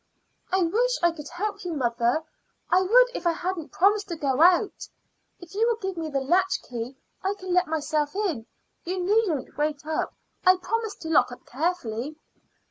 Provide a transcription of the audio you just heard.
"I wish I could help you, mother. I would if I hadn't promised to go out. If you will give me the latchkey I can let myself in. You needn't wait up; I promise to lock up carefully."